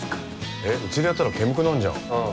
えっうちでやったら煙くなんじゃん。